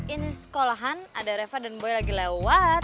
ini sekolahan ada reva dan boy lagi lewat